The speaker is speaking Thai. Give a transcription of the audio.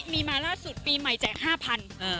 มีมาล่าสุดปีใหม่แจก๕๐๐บาท